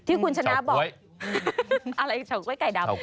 ที่คุณชนะบอกชาวโค้ยอะไรชาวโค้ยไก่ดำ